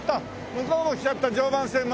向こうも来ちゃった常磐線が。